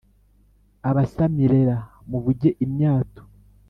Abasamirera muvuge imyato